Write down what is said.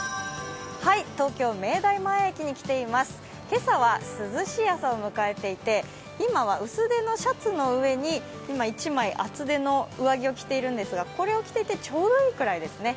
今朝は涼しい朝を迎えていて今は薄手のシャツの上に１枚、厚手の上着を着ているんですがこれを着ていてちょうどいいくらいですね。